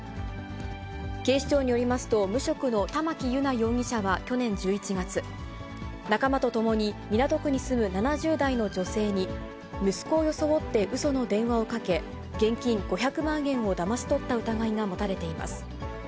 警視庁によりますと、無職の玉城優奈容疑者は去年１１月、仲間と共に港区に住む７０代の女性に、息子を装ってうその電話をかけ、現金５００万円をだまし取った疑いが持たれています。